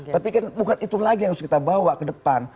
tapi kan bukan itu lagi yang harus kita bawa ke depan